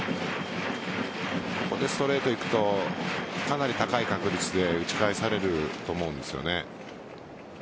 ここでストレートいくとかなり高い確率で打ち返されると思うんですよね。